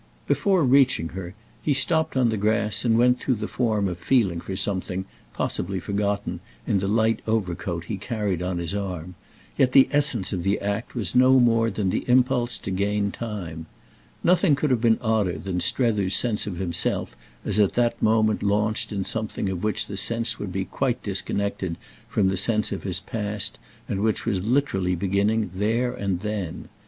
Before reaching her he stopped on the grass and went through the form of feeling for something, possibly forgotten, in the light overcoat he carried on his arm; yet the essence of the act was no more than the impulse to gain time. Nothing could have been odder than Strether's sense of himself as at that moment launched in something of which the sense would be quite disconnected from the sense of his past and which was literally beginning there and then.